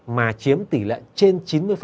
mà chiếm tỷ lệ trên chín mươi